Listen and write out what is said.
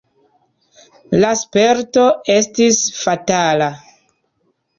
La sperto estis fatala.